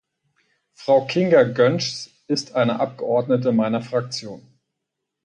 Frau Kinga Göncz ist eine Abgeordnete meiner Fraktion.